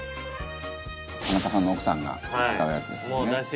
田中さんの奥さんが使うやつですね。